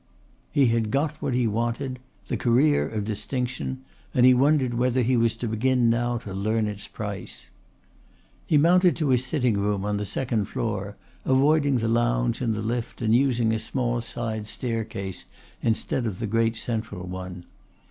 He had got what he had wanted the career of distinction, and he wondered whether he was to begin now to learn its price. He mounted to his sitting room on the second floor, avoiding the lounge and the lift and using a small side staircase instead of the great central one.